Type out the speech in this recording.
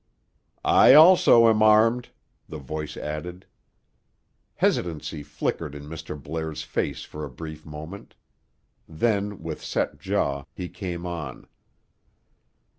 "I also am armed," the voice added. Hesitancy flickered in Mr. Blair's face for a brief moment. Then, with set jaw, he came on.